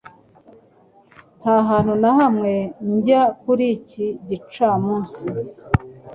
Nta hantu na hamwe njya kuri iki gicamunsi